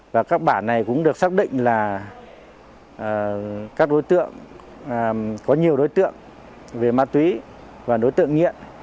và các bản này cũng được xác định là có nhiều đối tượng về ma túy và đối tượng nghiện